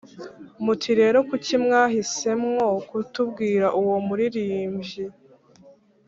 Muti rero kuki mwahisemwo kutubwira uwo muririmvyi